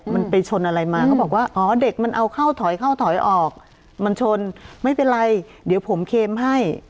มันไปชนอะไรมาเขาบอกว่าอ๋อเด็กมันเอาเข้าถอยเข้าถอยออกมันชนไม่เป็นไรเดี๋ยวผมเค็มให้